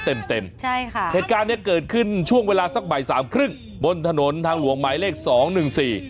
เทศกาลนี้เกิดขึ้นช่วงเวลาสักบ่ายสามครึ่งบนถนนทางหวงหมายเลขสองหนึ่งสี่